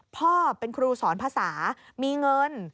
พ่อเป็นครูสอนภาษามีเงิน